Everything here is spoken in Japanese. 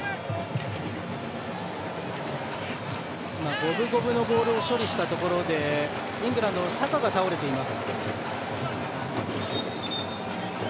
五分五分のボールを処理したところでイングランドのサカが倒れています。